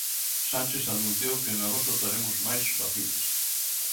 Sánchez anunciou que en agosto teremos máis vacinas.